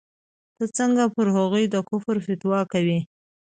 ته څنگه پر هغوى د کفر فتوا کوې.